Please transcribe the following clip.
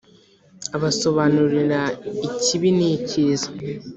abasobanurira ikibi n’icyiza